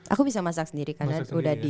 aku bisa masak sendiri karena udah di